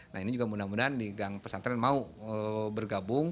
nah ini juga mudah mudahan di gang pesantren mau bergabung